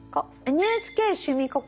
「ＮＨＫ趣味ココ」。